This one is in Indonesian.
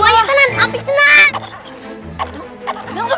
tenang api tenang